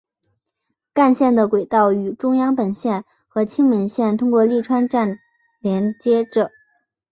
干线的轨道与中央本线和青梅线通过立川站连接着。